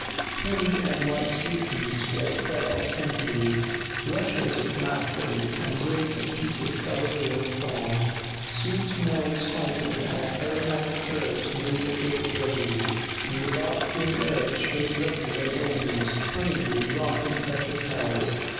Pink and white sweetmeats were spread out temptingly; luscious black figs, and grapes and peaches covered the low stalls; sweet smelling spices and aromatic herbs made the air fragrant, and dark skinned Arabs showed weapons and ornaments, cunningly wrought in precious metals.